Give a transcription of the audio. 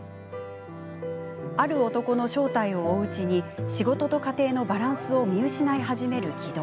ある男の正体を追ううちに仕事と家庭のバランスを見失い始める城戸。